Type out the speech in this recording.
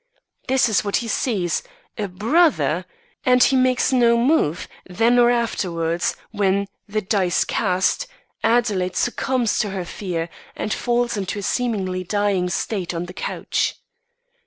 This is what he sees a brother! and he makes no move, then or afterwards, when, the die cast, Adelaide succumbs to her fear and falls into a seemingly dying state on the couch.